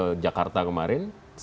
siap saya siap untuk mendampingi pak jokowi